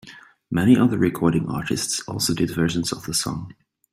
Many other recording artists also did versions of the song.